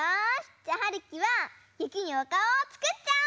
じゃあはるきはゆきにおかおをつくっちゃおう！